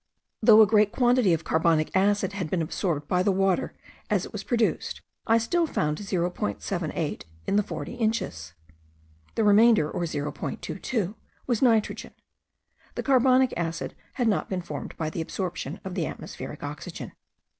Though a great quantity of carbonic acid had been absorbed by the water as it was produced, I still found 0.78 in the forty inches. The remainder, or 0.22, was nitrogen. The carbonic acid had not been formed by the absorption of the atmospheric oxygen.